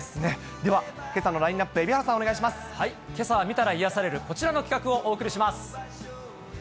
では、けさのラインナップ、けさは見たら癒やされるこちらの企画をお送りします。